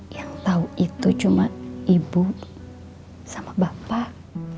yang tahu itu cuma ibu sama bapak